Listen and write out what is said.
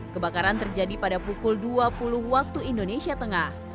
kebakaran terjadi pada pukul dua puluh waktu indonesia tengah